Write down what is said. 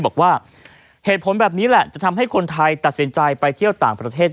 บอกว่าเหตุผลแบบนี้แหละจะทำให้คนไทยตัดสินใจไปเที่ยวต่างประเทศ